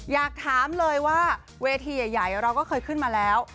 อยากถามเลยว่าเวทีใหญ่เราก็เคยขึ้นมาแล้ว